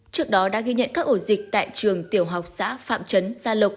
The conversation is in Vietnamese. trước đó đã ghi nhận các ổ dịch tại trường tiểu học xã phạm trấn gia lộc